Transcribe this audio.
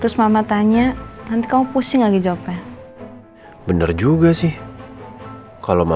siapa yang salah